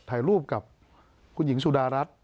ถ่ายรูปกับคุณหญิงสุดารัฐ